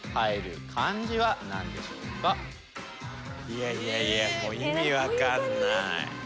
いやいやいやもう意味わかんない。